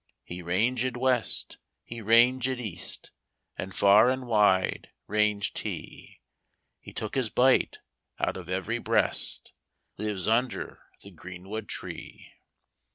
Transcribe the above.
He ranged west, he ranged east, And far and wide ranged he; He took his bite out of every beast Lives under the greenwood tree.